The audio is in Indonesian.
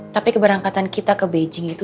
tapi keberangkatan kita ke beijing itu